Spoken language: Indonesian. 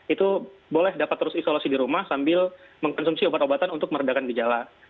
itu boleh dapat terus isolasi di rumah sambil mengkonsumsi obat obatan untuk meredakan gejala